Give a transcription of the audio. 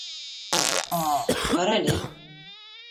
Ҡара әле...